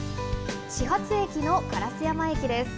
始発駅の烏山駅です。